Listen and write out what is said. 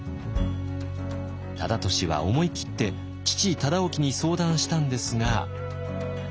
忠利は思い切って父忠興に相談したんですが。